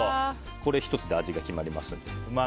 これ１つで味が決まりますので。